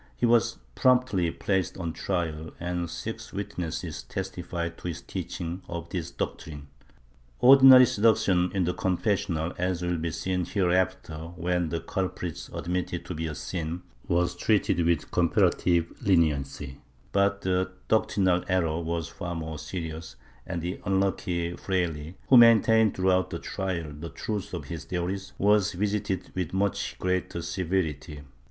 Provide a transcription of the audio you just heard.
He was promptly placed on trial and six wit nesses testified to his teaching of this doctrine. Ordinary seduction in the confessional, as will be seen hereafter, when the culprit admitted it to be a sin, was treated with comparative leniency, but doctrinal error was far more serious, and the unlucky fraile, who maintained throughout the trial the truth of his theories, was visited with much greater severity.